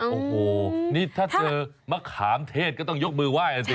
โอ้โหนี่ถ้าเจอมะขามเทศก็ต้องยกมือไห้อ่ะสิ